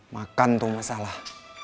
makan tuh masalah